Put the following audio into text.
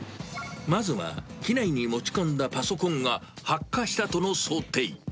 まずは機内に持ち込んだパソコンが発火したとの想定。